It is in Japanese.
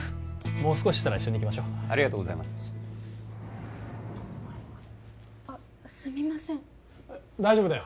もう少ししたら一緒に行きましょありがとうございますあっすみません大丈夫だよ